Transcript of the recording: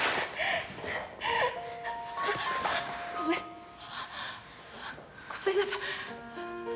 あっごめんごめんなさい。